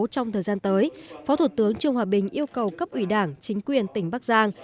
trong thời gian tới phó thủ tướng trương hòa bình yêu cầu cấp ủy đảng chính quyền tỉnh bắc giang